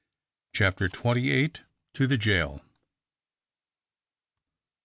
CHAPTER TWENTY EIGHT. "TO THE JAIL!"